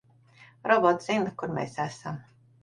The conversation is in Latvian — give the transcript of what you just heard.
Robots zina, kur mēs esam.